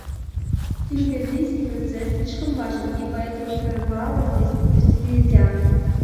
Кимберлийский процесс слишком важен, и поэтому провала здесь допустить нельзя.